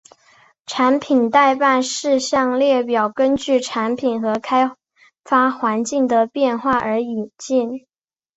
产品待办事项列表根据产品和开发环境的变化而演进。